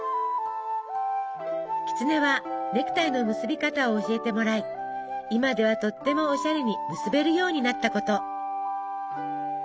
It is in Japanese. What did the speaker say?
キツネはネクタイの結び方を教えてもらい今ではとってもオシャレに結べるようになったこと。